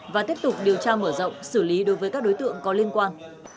và tiếp tục điều tra mở rộng xử lý đối với các đối tượng có liên quan